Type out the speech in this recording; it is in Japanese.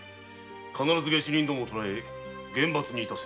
必ず下手人どもを捕らえ厳罰にいたせ。